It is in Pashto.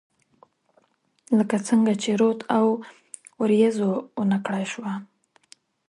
لکه څنګه چې رود او، اوریځو ونه کړای شوه